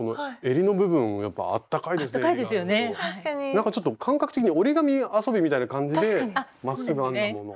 なんかちょっと感覚的に折り紙遊びみたいな感じでまっすぐ編んだものを。